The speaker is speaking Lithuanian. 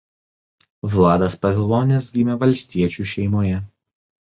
Vladas Pavilonis gimė valstiečių šeimoje.